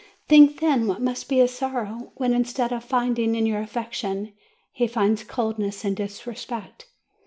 Think, then, what must be his sorrow, when instead of finding in you affection, he finds coldness and disrespect!